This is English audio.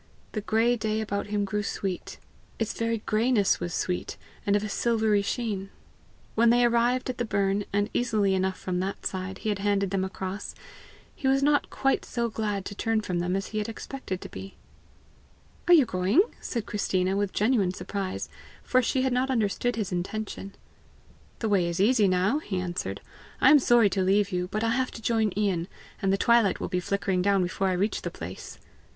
The gray day about him grew sweet; its very grayness was sweet, and of a silvery sheen. When they arrived at the burn, and, easily enough from that side, he had handed them across, he was not quite so glad to turn from them as he had expected to be. "Are you going?" said Christina with genuine surprise, for she had not understood his intention. "The way is easy now," he answered. "I am sorry to leave you, but I have to join Ian, and the twilight will be flickering down before I reach the place."